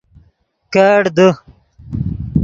کیڑ دے